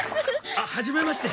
あっはじめまして。